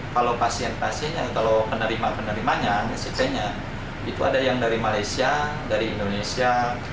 kalau pasien pasiennya kalau penerima penerimanya smp nya itu ada yang dari malaysia dari indonesia